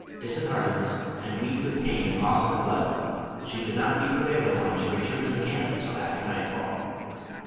Disheartened and weak with pain and loss of blood, she could not be prevailed upon to return to the camp till after night full.